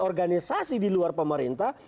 organisasi di luar pemerintah